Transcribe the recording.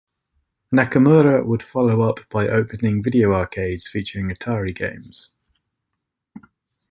Nakamura would follow up by opening video arcades featuring Atari games.